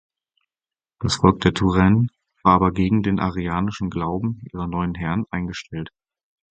Das Volk der Touraine waren aber gegen den arianischen Glauben ihrer neuen Herren eingestellt.